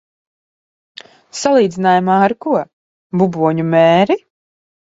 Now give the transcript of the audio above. Salīdzinājumā ar ko? Buboņu mēri?